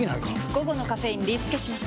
午後のカフェインリスケします！